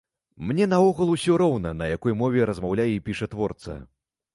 Мне, наогул, усё роўна, на якой мове размаўляе і піша творца.